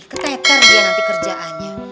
keteter dia nanti kerjaannya